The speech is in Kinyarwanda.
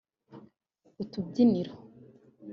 utubyiniro